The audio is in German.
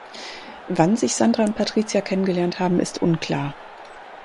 Wann sich Sandra und Patricia kennengelernt haben, ist unklar.